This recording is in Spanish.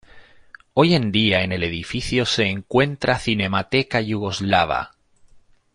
Hoy en día en el edificio se encuentra Cinemateca yugoslava.